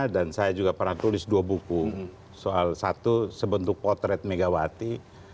saya juga pernah tulis dua buku soal satu sebentuk potret megawati